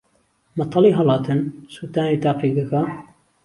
مەتەڵی ھەڵاتن: سووتانی تاقیگەکە